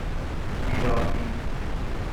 بیراهید